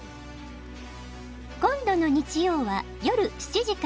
「今度の日曜は夜７時から」